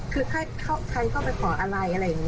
คุณถ้าใครเข้าไปขออะไร